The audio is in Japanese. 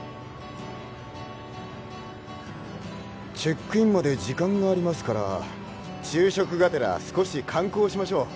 チェックインまで時間がありますから昼食がてら少し観光しましょう。